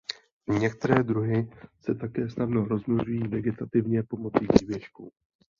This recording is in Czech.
Některé druhy se také snadno rozmnožují vegetativně pomocí výběžků.